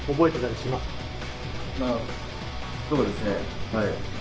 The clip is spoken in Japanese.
そうですねはい。